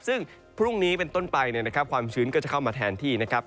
ซึ่งพรุ่งนี้เป็นต้นไปนะครับความชื้นก็จะเข้ามาแทนที่นะครับ